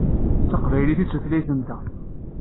D taqbaylit i d tutlayt-nteɣ.